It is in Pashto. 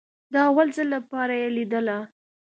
د اول ځل لپاره يې ليدله.